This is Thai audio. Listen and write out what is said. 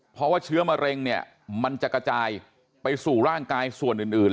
เพราะว่าเชื้อมะเร็งเนี่ยมันจะกระจายไปสู่ร่างกายส่วนอื่น